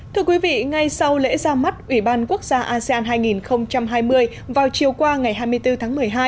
thưa quý vị ngay sau lễ ra mắt ủy ban quốc gia asean hai nghìn hai mươi vào chiều qua ngày hai mươi bốn tháng một mươi hai